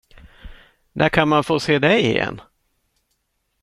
När kan man få se dig igen?